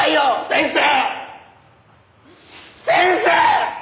先生！